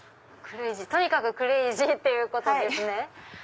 とにかくクレイジーっていうことですね。